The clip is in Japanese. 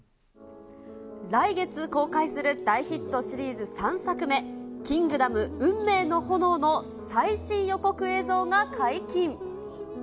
来月公開する大ヒットシリーズ３作目、キングダム運命の炎の最新予告映像が解禁。